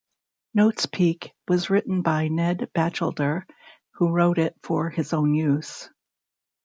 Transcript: NotesPeek was written by Ned Batchelder, who wrote it for his own use.